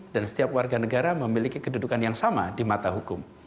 dan setiap warga negara memiliki kedudukan yang sama di mata hukum